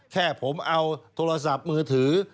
แค่ผมเอาโทรศัพท์มือถือ